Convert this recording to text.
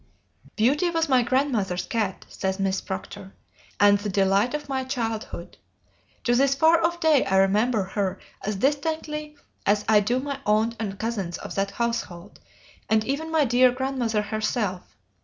"Beauty was my grandmother's cat," says Miss Proctor, "and the delight of my childhood. To this far off day I remember her as distinctly as I do my aunt and cousins of that household, and even my dear grandmother herself.